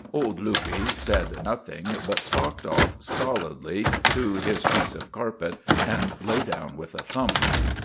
Old Luppe said nothing, but stalked off stolidly to his piece of carpet and lay down with a thump.